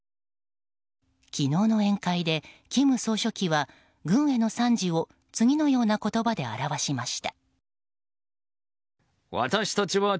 昨日の宴会で金総書記は軍への賛辞を次のような言葉で表しました。